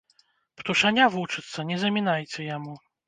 Птушаня вучыцца, не замінайце яму!